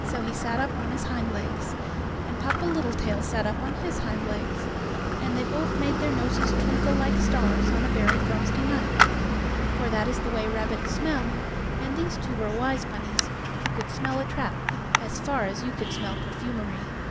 So he sat upon his hind legs, and Papa Littletail sat up on his hind legs, and they both made their noses twinkle like stars on a very frosty night. For that is the way rabbits smell, and these two were wise bunnies, who could smell a trap as far as you can smell perfumery.